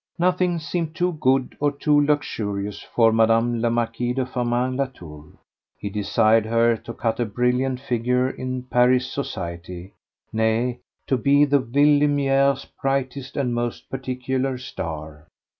Nothing seemed too good or too luxurious for Mme. la Marquise de Firmin Latour. He desired her to cut a brilliant figure in Paris society—nay, to be the Ville Lumiere's brightest and most particular star.